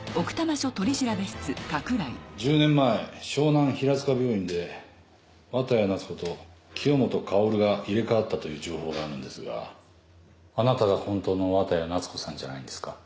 １０年前湘南平塚病院で綿谷夏子と清本薫が入れ替わったという情報があるんですがあなたが本当の綿谷夏子さんじゃないんですか？